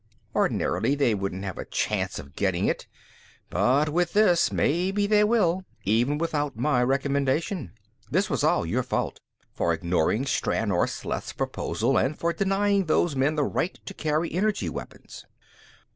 Ordinarily, they wouldn't have a chance of getting it, but with this, maybe they will, even without my recommendation. This was all your fault, for ignoring Stranor Sleth's proposal and for denying those men the right to carry energy weapons."